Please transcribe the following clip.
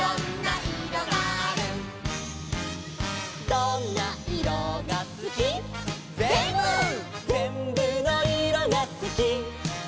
「どんないろがすき」「ぜんぶ」「ぜんぶのいろがすき」